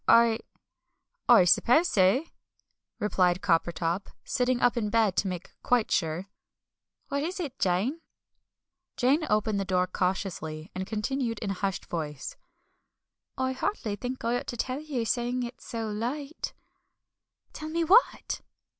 "I I suppose so," replied Coppertop, sitting up in bed to make quite sure. "What is it, Jane?" Jane opened the door cautiously, and continued in a hushed voice "I hardly think I ought to tell you, seeing it's so late." "Tell me what?"